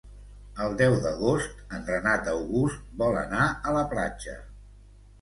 El deu d'agost en Renat August vol anar a la platja.